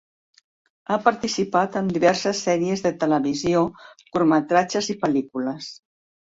Ha participat en diverses sèries de televisió, curtmetratges i pel·lícules.